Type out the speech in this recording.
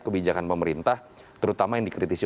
kebijakan pemerintah terutama yang dikritisi